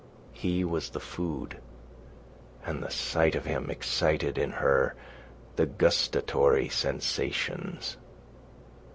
He was the food, and the sight of him excited in her the gustatory sensations.